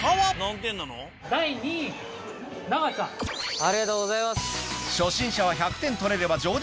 ありがとうございます！